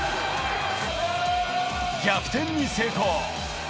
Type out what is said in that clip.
逆転に成功。